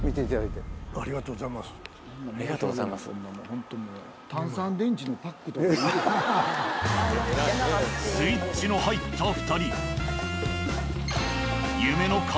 ほんともうスイッチの入った２人。